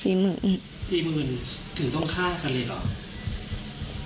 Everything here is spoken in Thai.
สี่หมื่นถึงต้องฆ่ากันเลยหรอ